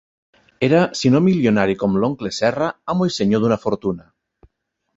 Era, si no milionari com l'oncle Serra, amo i senyor d'una fortuna.